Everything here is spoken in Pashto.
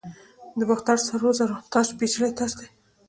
د باختر سرو زرو تاج پیچلی تاج دی